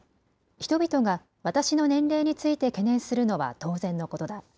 人々が私の年齢について懸念するのは当然のことだ。